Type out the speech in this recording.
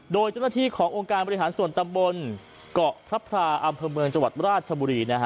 โดยเจ้าหน้าที่ขององค์การบริหารส่วนตำบลเกาะพระพราอำเภอเมืองจังหวัดราชบุรีนะฮะ